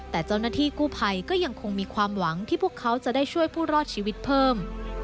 แต่เจ้าหน้าที่กู้ภัยก็ยังคงมีความหวังที่พวกเขาจะได้ช่วยผู้รอดชีวิตเพิ่ม